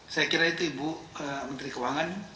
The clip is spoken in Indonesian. saya kira itu ibu menteri keuangan